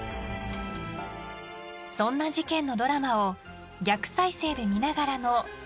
［そんな事件のドラマを逆再生で見ながらの推理バラエティー］